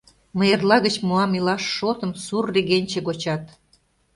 Мый эрла гыч муам илаш шотым сур регенче гочат…